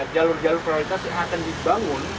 jalur jalur prioritas yang akan dibangun